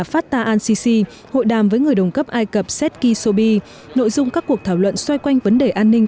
fatah al sisi hội đàm với người đồng cấp ai cập seth kisobi nội dung các cuộc thảo luận xoay quanh vấn đề an ninh